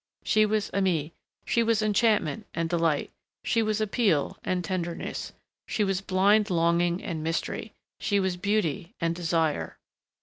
She was Aimée. She was enchantment and delight. She was appeal and tenderness. She was blind longing and mystery. She was beauty and desire....